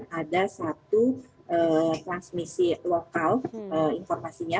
dan ada satu transmisi lokal informasinya